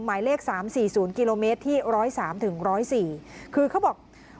หมายเลขสามสี่ศูนย์กิโลเมตรที่ร้อยสามถึงร้อยสี่คือเขาบอก